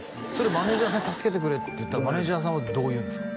マネージャーさんに「助けてくれ」って言ったらマネージャーさんはどう言うんですか？